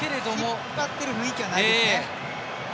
引っ張ってる雰囲気はないですね。